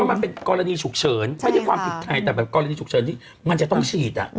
ไม่ใช่ปิดไทยแต่กรณีฉุกเฉินที่จะต้องฉีด